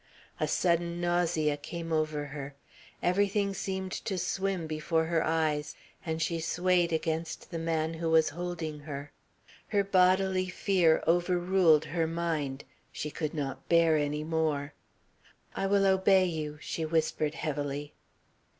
A sudden nausea came over her, everything seemed to swim before her eyes, and she swayed against the man who was holding her. Her bodily fear overruled her mind. She could not bear any more. "I will obey you," she whispered heavily.